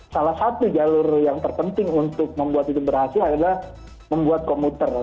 salah satu jalur yang terpenting untuk membuat itu berhasil adalah membuat komuter